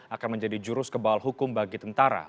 akan menjadi jurus kebal hukum bagi tentara